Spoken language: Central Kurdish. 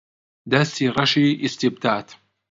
دەستی ڕەشی ئیستیبداد